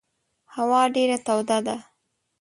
هوا ډېره توده ده.